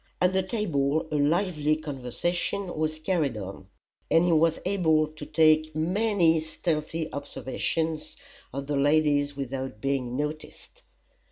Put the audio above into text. At the table a lively conversation was carried on, and he was able to take many stealthy observations of the ladies without being noticed.